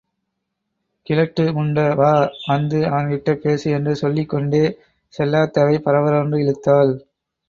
கிழட்டு முண்ட... வா... வந்து அவன் கிட்டப்பேசு என்று சொல்லிக் கொண்டே செல்லாத்தாவைப் பரபரவென்று இழுத்தாள்.